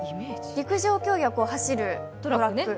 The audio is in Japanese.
陸上競技は走るトラック。